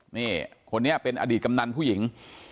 นี่คนนี้เป็นอดีตกำนันผู้หญิง